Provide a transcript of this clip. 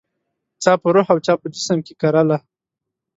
چا په روح او چا په جسم کې کرله